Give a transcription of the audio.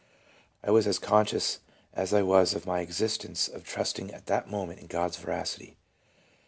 I was as conscious as I was of my exist ence of trusting at that moment in God's veracity."